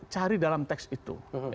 cari dalam teks itu